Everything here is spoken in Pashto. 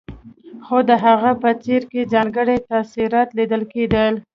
خو د هغه په څېره کې ځانګړي تاثرات ليدل کېدل.